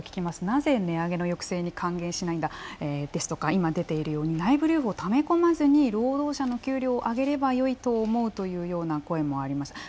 なぜ値上げの抑制に歓迎しないんだですとか内部留保をため込まずに労働者の給料を上げればいいというのもあります。